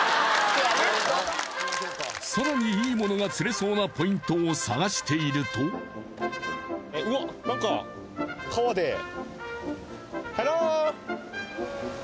さらにいいものが釣れそうなポイントを探しているとえっうわっ何か川でハロー！